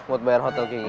buat bayar hotel kayak gini